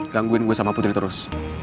gangguin gue sama putri terus